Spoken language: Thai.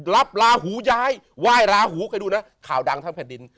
ลาหูย้ายไหว้ลาหูใครดูนะข่าวดังทั้งแผ่นดิน